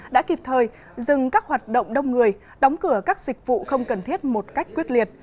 đã kịp thời dừng các hoạt động đông người đóng cửa các dịch vụ không cần thiết một cách quyết liệt